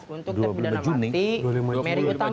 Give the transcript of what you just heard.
untuk terpidana mati mary utamina